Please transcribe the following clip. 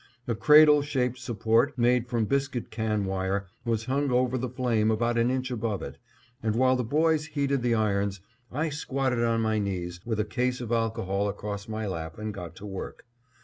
A cradle shaped support made from biscuit can wire was hung over the flame about an inch above it, and while the boys heated the irons, I squatted on my knees with a case of alcohol across my lap and got to work.